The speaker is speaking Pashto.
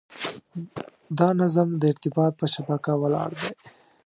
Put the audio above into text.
دا نظم د ارتباط په شبکه ولاړ دی.